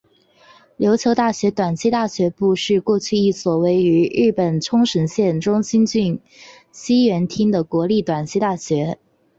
琉球大学短期大学部是过去一所位于日本冲绳县中头郡西原町的国立短期大学。